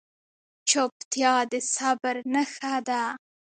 چپتیا، د صبر نښه ده.